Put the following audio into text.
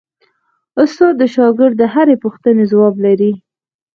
استاد د شاګرد د هرې پوښتنې ځواب لري.